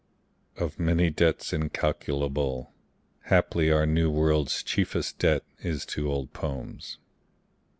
(Of many debts incalculable, Haply our New World's chieftest debt is to old poems.)